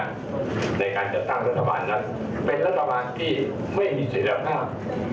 ในการจัดตั้งรัฐบาลนั้นเป็นรัฐบาลที่ไม่มีเสร็จภาพ